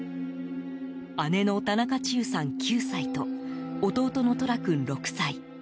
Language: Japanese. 姉の田中千結さん、９歳と弟の十楽君、６歳。